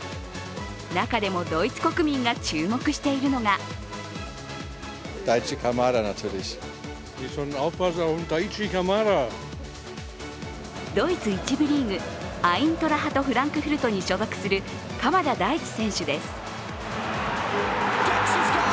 中でもドイツ国民が注目しているのがドイツ１部リーグ、アイントラハト・フランクフルトに所属する鎌田大地選手です。